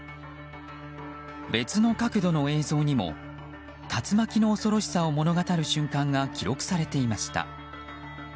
別の角度の映像にも竜巻の恐ろしさを物語る瞬間が記録されていました。